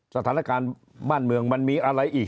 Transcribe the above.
สถานการณ์บ้านเมืองมันมีอะไรอีก